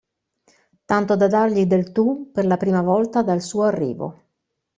Tanto da dargli del tu per la prima volta dal suo arrivo.